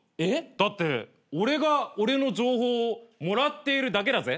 だって俺が俺の情報をもらっているだけだぜ。